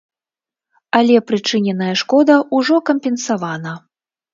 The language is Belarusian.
Але прычыненая шкода ўжо кампенсавана.